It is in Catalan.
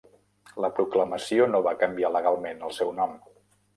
La proclamació no va canviar legalment el seu nom.